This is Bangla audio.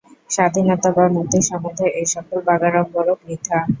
স্বাধীনতা বা মুক্তি-সম্বন্ধে এই-সকল বাগাড়ম্বরও বৃথা।